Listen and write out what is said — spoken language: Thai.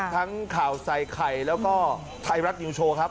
ข่าวใส่ไข่แล้วก็ไทยรัฐนิวโชว์ครับ